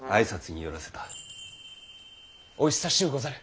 お久しゅうござる。